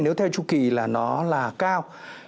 nếu theo tru kỳ là nó là cao